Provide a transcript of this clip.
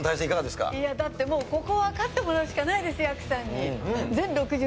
いやだってもうここは勝ってもらうしかないですやくさんに。